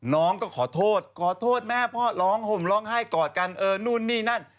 น้องก็ขอโทษขอโทษแม่พ่อร้องห่มร้องไห้กอดกันเออนู่นนี่นั่น